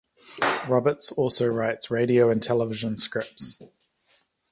Roberts also writes radio and television scripts.